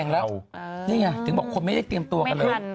นี่ไงถึงบอกคนไม่ได้เตรียมตัวกันเลย